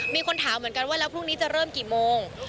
มีคนถามเหมือนกันว่าแล้วพรุ่งนี้จะเริ่มกี่โมง